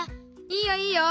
いいよいいよ。